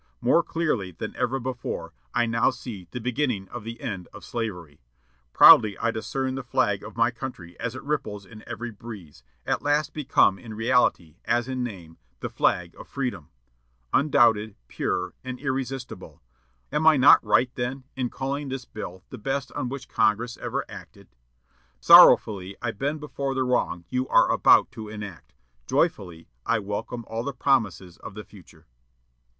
More clearly than ever before, I now see 'the beginning of the end' of slavery. Proudly I discern the flag of my country as it ripples in every breeze, at last become in reality, as in name, the flag of freedom, undoubted, pure, and irresistible. Am I not right, then, in calling this bill the best on which Congress ever acted? "Sorrowfully I bend before the wrong you are about to enact. Joyfully I welcome all the promises of the future."